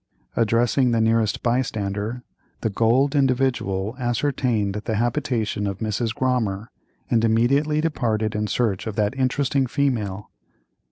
Addressing the nearest bystander, the gulled Individual ascertained the habitation of Mrs. Grommer, and immediately departed in search of that interesting female.